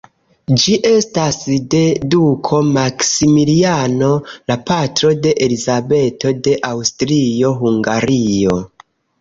Ĝi estas de duko Maksimiliano, la patro de Elizabeto de Aŭstrio-Hungario.